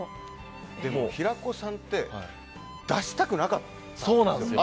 でも平子さんって出したくなかったんですよ。